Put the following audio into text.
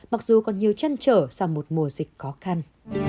mặc dù còn nhiều chăn trở sau một mùa dịch khó khăn